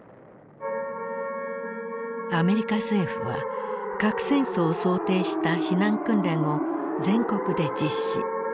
アメリカ政府は核戦争を想定した避難訓練を全国で実施。